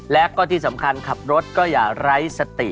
และก็ที่สำคัญขับรถก็อย่าไร้สติ